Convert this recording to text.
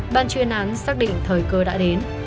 ban truyền án xác định thời cơ đã đến